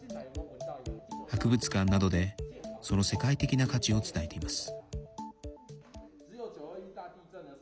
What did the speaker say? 博物館などでその世界的な価値を伝えています。